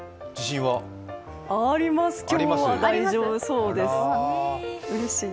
あります、今日、大丈夫そうです。